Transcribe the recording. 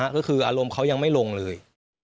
ก็คืออารมณ์เขายังไม่ลงเลย